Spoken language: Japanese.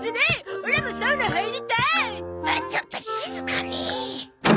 ちょっと静かに。